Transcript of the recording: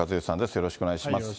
よろしくお願いします。